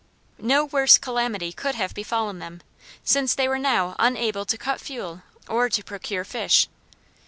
No worse calamity could have befallen them, since they were now unable to cut fuel or to procure fish.